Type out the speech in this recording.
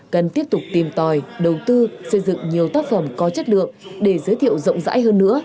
cần tiếp tục tìm tòi đầu tư xây dựng nhiều tác phẩm có chất lượng để giới thiệu rộng rãi hơn nữa